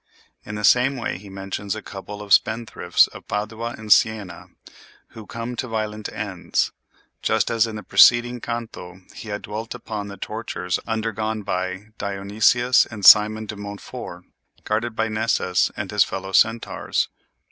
In the same way he mentions a couple of spendthrifts of Padua and Siena, who come to violent ends, just as in the preceding canto he had dwelt upon the tortures undergone by Dionysius and Simon de Montfort, guarded by Nessus and his fellow centaurs.